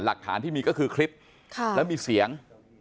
หลักฐานที่มีก็คือคลิปแล้วมีเสียง